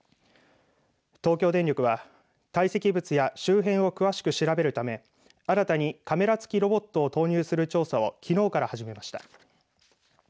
東京電力は堆積物や周辺を詳しく調べるため新たにカメラ付きロボットを投入する調査をきのうから始めました。